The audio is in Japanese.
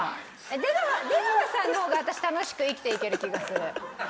出川さんの方が私楽しく生きていける気がする。